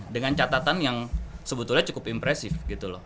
dengan catatan yang sebetulnya cukup impresif gitu loh